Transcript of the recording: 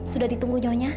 sudah ditunggu nyonya